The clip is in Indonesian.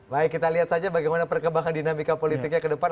baik kita lihat saja bagaimana perkembangan dinamika politiknya ke depan